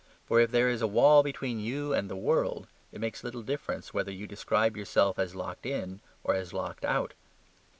For if there is a wall between you and the world, it makes little difference whether you describe yourself as locked in or as locked out.